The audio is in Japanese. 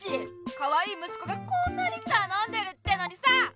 かわいいむすこがこんなにたのんでるってのにさ！